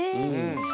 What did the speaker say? え！